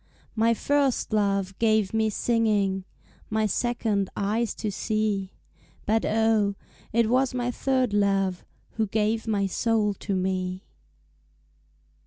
My first love gave me singing, My second eyes to see, But oh, it was my third love Who gave my soul to me.